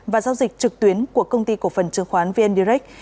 và giao dịch trực tuyến của công ty cổ phần chứng khoán vn direct